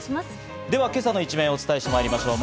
今朝の一面をお伝えしてまいりましょう。